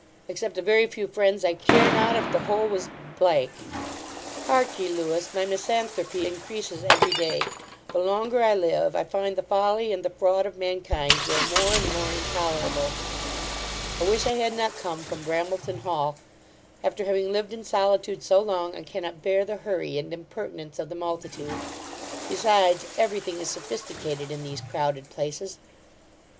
except a very few friends, I care not if the whole was . Heark ye, Lewis, my misanthropy increases every day The longer I live, I find the folly and the fraud of mankind grow more and more intolerable I wish I had not come from Brambletonhall; after having lived in solitude so long, I cannot bear the hurry and impertinence of the multitude; besides, every thing is sophisticated in these crowded places.